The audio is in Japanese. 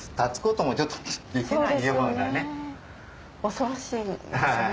恐ろしいですね